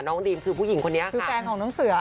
ดีมคือผู้หญิงคนนี้คือแฟนของน้องเสือ